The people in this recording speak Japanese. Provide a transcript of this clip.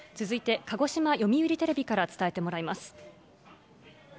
続いて、鹿児島読売テレビから伝えてもらいます。